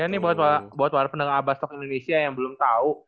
ya ini buat warah pendengar abas talk indonesia yang belum tau